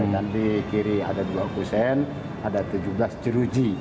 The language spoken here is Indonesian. dan di kiri ada dua kusen ada tujuh belas jeruji